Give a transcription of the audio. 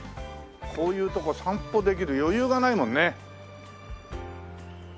こういうとこ散歩できる余裕がないもんね。